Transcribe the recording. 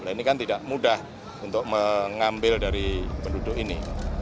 nah ini kan tidak mudah untuk mengambil dari penduduk ini